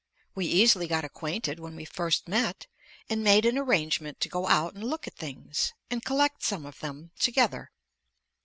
We easily got acquainted when we first met, and made an arrangement to go out and look at things, and collect some of them, together.